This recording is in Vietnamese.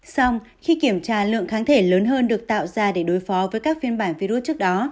xong khi kiểm tra lượng kháng thể lớn hơn được tạo ra để đối phó với các phiên bản virus trước đó